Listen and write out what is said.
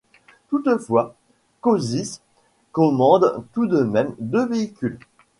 Toutefois, Košice commande tout de même deux véhicules.